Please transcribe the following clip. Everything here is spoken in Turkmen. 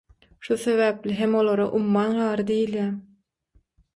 Şu sebäpli hem olara umman gary diýilýär.